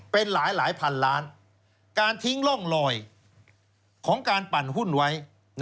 เป็นหลายพันล้านการทิ้งร่องลอยของการปั่นหุ้นไว้